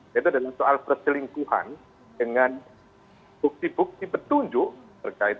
yaitu dalam soal perselingkuhan dengan bukti bukti petunjuk terkait